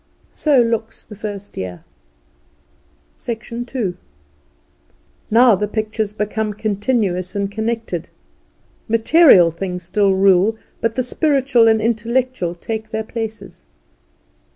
So looks the first year. II. Now the pictures become continuous and connected. Material things still rule, but the spiritual and intellectual take their places.